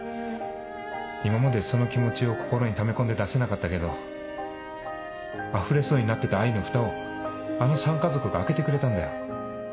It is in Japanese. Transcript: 今までその気持ちを心にため込んで出せなかったけどあふれそうになってた愛のふたをあの３家族が開けてくれたんだよ。